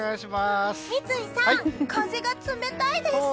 三井さん、風が冷たいです。